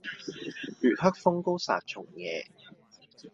月黑風高殺蟲夜